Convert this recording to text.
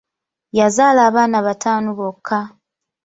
Yazaala abaana bataano bokka.